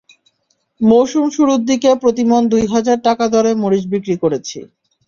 মৌসুম শুরুর দিকে প্রতিমণ দুই হাজার টাকা দরে মরিচ বিক্রি করেছি।